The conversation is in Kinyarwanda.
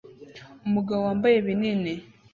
Umugabo wambaye binini